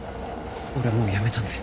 俺もうやめたんで。